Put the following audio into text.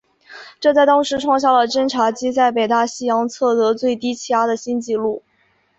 这在当时创下了侦察机在北大西洋测得最低气压的新纪录。